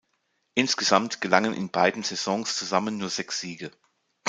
Insgesamt gelangen in beiden Saisons zusammen nur sechs Siege.